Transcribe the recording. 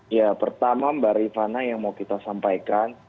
ya pertama mbak rifana yang mau kita sampaikan